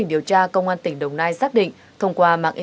điều tra công an quận bắc thứ liêm hà nội